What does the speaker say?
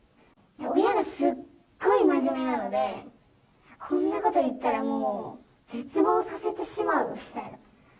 親がすっごい真面目なので、こんなこと言ったらもう、絶望させてしまう。